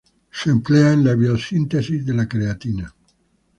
Se emplea en la biosíntesis de la creatina.